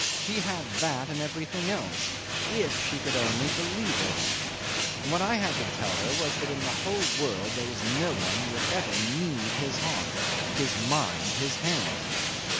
She had that and everything else if she could only believe it. What I had to tell her was that in the whole world there was no one who ever would need his heart, his mind, his hand.